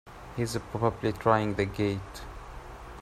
He's probably trying the gate!